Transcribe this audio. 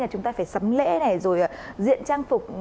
chúng ta phải sắm lễ rồi diện trang phục